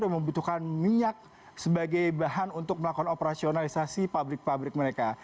yang membutuhkan minyak sebagai bahan untuk melakukan operasionalisasi pabrik pabrik mereka